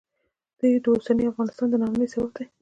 دوی د اوسني افغانستان د ناامنیو سبب دي